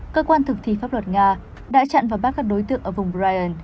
cơ quan thực thi pháp luật nga đã chặn và bắt các đối tượng ở vùng brien